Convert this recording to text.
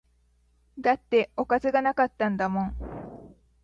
だっておかずが無かったんだもん